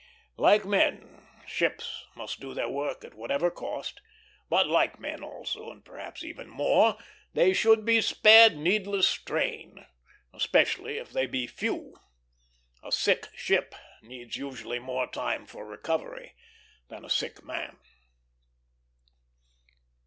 Like men, ships must do their work at whatever cost; but like men also, and perhaps even more, they should be spared needless strain, especially if they be few. A sick ship needs usually more time for recovery than a sick man.